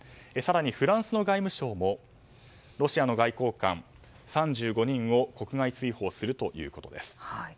更に、フランスの外務省もロシアの外交官３５人を国外追放するということです。